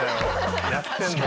やってんの。